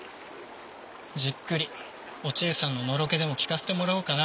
じっくりおちえさんののろけでも聞かせてもらおうかな。